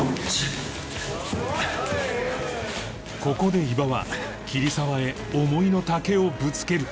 ここで伊庭は桐沢へ思いの丈をぶつける